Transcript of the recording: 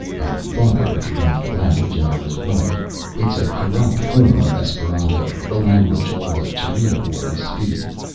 "I thought I recognized the language, and I was right. It's a corrupt form of Esperanto, the language all the Terido worlds speak.